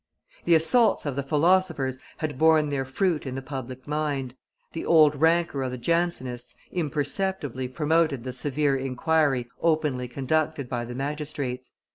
The assaults of the philosophers had borne their fruit in the public mind; the olden rancor of the Jansenists imperceptibly promoted the severe inquiry openly conducted by the magistrates.